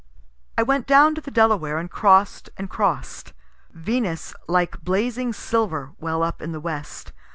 I went down to the Delaware, and cross'd and cross'd. Venus like blazing silver well up in the west.